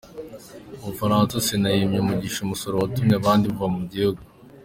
U Bufaransa Sena yimye umugisha umusoro watumye abandi bava mu gihugu